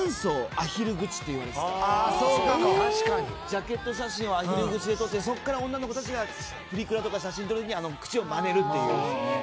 ジャケット写真をアヒル口で撮ってそっから女の子たちがプリクラとか写真撮るときにあの口をまねる。